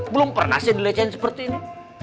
belum pernah saya dilecehin seperti ini